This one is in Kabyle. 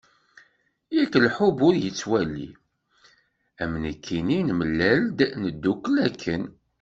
Yak lḥubb ur yettwali, am nekkini, nemlal-d neddukel akken.